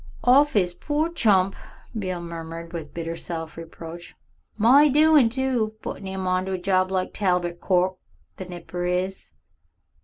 "Off 'is poor chump," Beale murmured with bitter self reproach; "my doin' too puttin' 'im on to a job like Talbot Court, the nipper is."